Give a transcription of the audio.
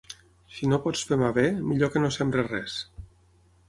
Si no pots femar bé, millor que no sembris res.